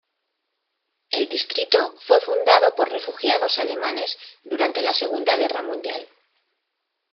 El distrito fue fundado por refugiados alemanes durante la Segunda Guerra Mundial.